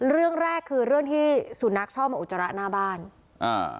เรื่องแรกคือเรื่องที่สุนัขชอบมาอุจจาระหน้าบ้านอ่า